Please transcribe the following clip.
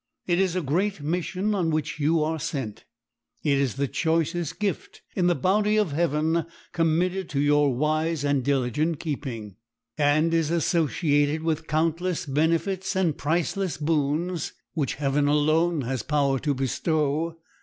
It is a great mission on which you are sent. It is the choicest gift in the bounty of heaven committed to your wise and diligent keeping, and is associated with countless benefits and priceless boons which heaven alone has power to bestow.